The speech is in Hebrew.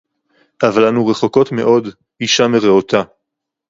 אבל אנו רחוקות מאוד אשה מרעותה.